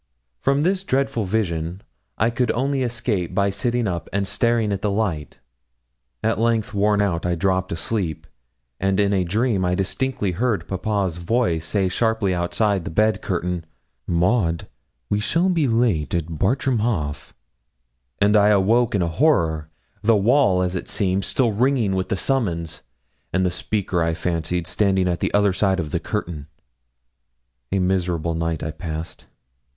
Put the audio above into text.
From this dreadful vision I could only escape by sitting up and staring at the light. At length, worn out, I dropped asleep, and in a dream I distinctly heard papa's voice say sharply outside the bed curtain: 'Maud, we shall be late at Bartram Haugh.' And I awoke in a horror, the wall, as it seemed, still ringing with the summons, and the speaker, I fancied, standing at the other side of the curtain. A miserable night I passed.